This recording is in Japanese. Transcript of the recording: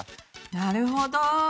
なるほど。